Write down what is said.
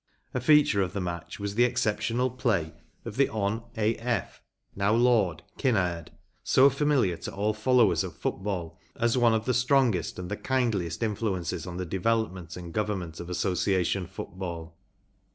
A feature of the match was the exceptional play of the Hon. A. F. (now Lord) Kinnaird, so familiar to all followers of football as one of the strongest and the kindliest influences in the development and government of Association football.